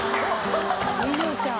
次女ちゃん。